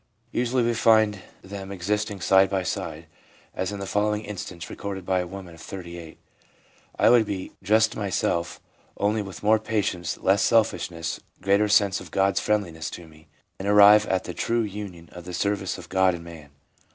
Usually we find them existing side by side, as in the following instance, recorded by a woman of 38 : 'I would be just myself, only with more patience, less selfishness, greater sense of God's friendliness to me, and arrive at the true union of the service of God and man.'